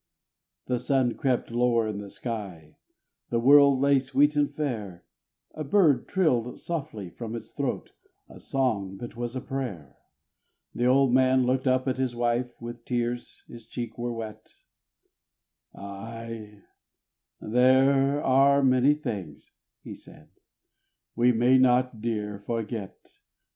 The sun crept lower in the sky, the world lay sweet and fair, A bird trilled softly from its throat a song that was a prayer. The old man looked up at his wife, with tears his cheeks were wet, "Ay, there are many things," he said, "we may not, dear, forget.